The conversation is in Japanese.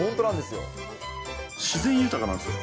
自然豊かなんですよ。